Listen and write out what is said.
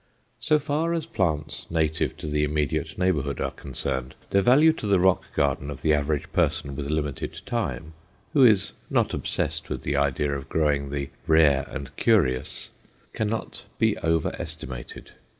So far as plants native to the immediate neighborhood are concerned, their value to the rock garden of the average person with limited time, who is not obsessed with the idea of growing the rare and curious, cannot be overestimated.